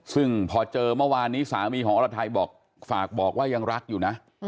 ซึ่งพอเจอเมื่อวานนี้สามีของอรไทยบอกฝากบอกว่ายังรักอยู่นะ